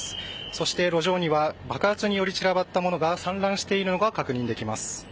そして路上には爆発により散らばった物が散乱しているのが確認できます。